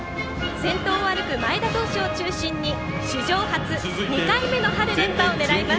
先頭を歩く前田投手を中心に史上初、２回目の春連覇を狙います。